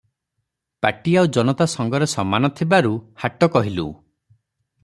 ପାଟି ଆଉ ଜନତା ସଙ୍ଗରେ ସମାନ ଥିବାରୁ ହାଟ କହିଲୁ ।